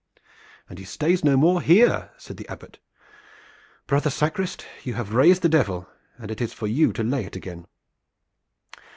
"And he stays no more here," said the Abbot. "Brother sacrist, you have raised the Devil, and it is for you to lay it again."